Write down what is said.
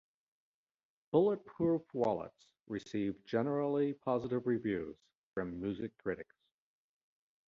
"Bulletproof Wallets" received generally positive reviews from music critics.